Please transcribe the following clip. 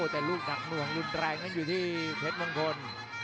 แต่ลูกหนักหน่วงรุนแรงนั้นอยู่ที่เพชรมงคล